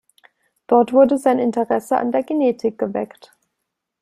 Dort wurde sein Interesse an der Genetik geweckt.